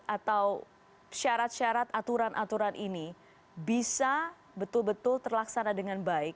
atau syarat syarat aturan aturan ini bisa betul betul terlaksana dengan baik